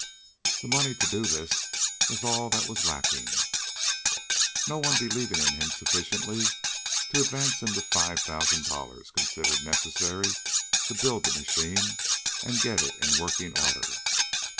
That the money to do this was all that was lacking, no one believing in him sufficiently to advance him the five thousand dollars considered necessary to build the machine and get it in working order.